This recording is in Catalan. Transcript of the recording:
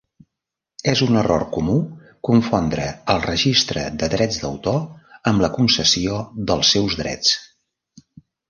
És un error comú confondre el registre de drets d'autor amb la concessió dels seus drets.